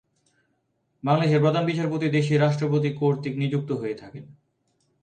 বাংলাদেশের প্রধান বিচারপতি দেশের রাষ্ট্রপতি কর্তৃক নিযুক্ত হয়ে থাকেন।